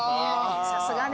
さすがね。